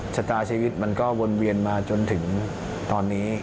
ชะตาชีวิตมันก็วนเวียนมาจนถึงตอนนี้